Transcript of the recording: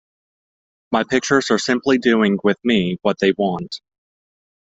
My pictures are simply doing with me what they want.